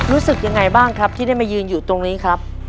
รู้สึกยังไงบ้างครับที่ได้มายืนอยู่ตรงนี้ครับ